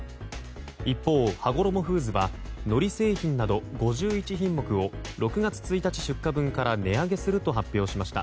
一方、はごろもフーズはのり製品など５１品目を６月１日出荷分から値上げすると発表しました。